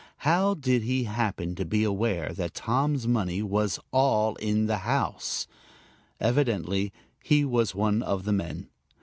How did he happen to be aware that Tom's money was all in the house? Evidently he was one of the men.